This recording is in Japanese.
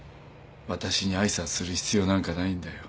私に挨拶する必要なんかないんだよ。